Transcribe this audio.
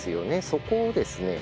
そこをですね